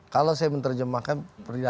kalau saya menerjemahkan berarti